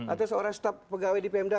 atau seorang staf pegawai di pemda